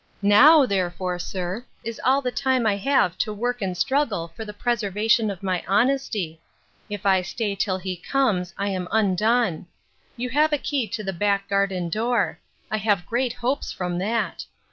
'Now, therefore, sir, is all the time I have to work and struggle for the preservation of my honesty. If I stay till he comes, I am undone. You have a key to the back garden door; I have great hopes from that.